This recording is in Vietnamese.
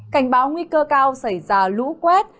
cảnh báo nguy cơ cao xảy ra lũ quét